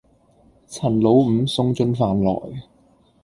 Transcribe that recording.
陳老五送進飯來，